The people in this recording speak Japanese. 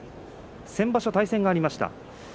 先場所、対戦がありました。